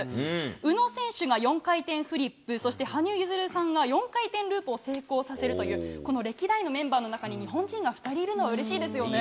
宇野選手が４回転フリップ、そして羽生結弦さんが４回転ループを成功させるという、この歴代のメンバーの中に日本人が２人いるのはうれしいですよね。